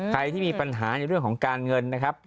ใครที่มีปัญหาในเรื่องของการเงินนะครับ